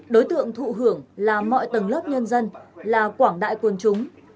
đối tượng thụ hưởng là mọi tầng lớp nhân dân là quảng đại quân chúng